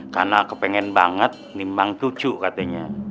karena kepengen banget ini emang cucu katanya